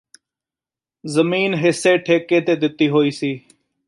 ਜ਼ਮੀਨ ਹਿੱਸੇ ਠੇਕੇ ਤੇ ਦਿੱਤੀ ਹੋਈ ਸੀ